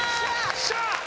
よっしゃ！